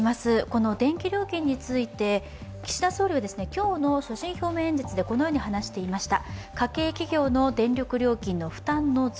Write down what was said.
この電気料金について、岸田総理は今日の所信表明演説でこのように話していました。